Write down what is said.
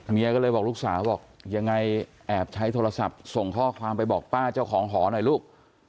เมียก็เลยบอกลูกสาวบอกยังไงแอบใช้โทรศัพท์ส่งข้อความไปบอกป้าเจ้าของหอหน่อยลูก